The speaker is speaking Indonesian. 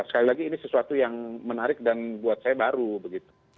sekali lagi ini sesuatu yang menarik dan buat saya baru begitu